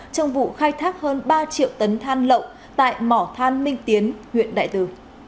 trong vụ khai thác hơn ba triệu tấn than lậu tại mỏ than minh tiến huyện đại từ